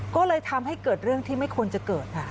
ก็เลยทำให้เกิดเรื่องที่ไม่ควรจะเกิดค่ะ